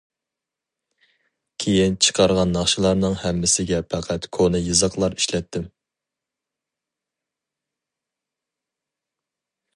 كېيىن چىقارغان ناخشىلارنىڭ ھەممىسىگە پەقەت كونا يېزىقلار ئىشلەتتىم.